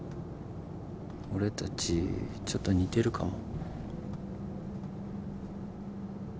俺たちちょっと似てるかも。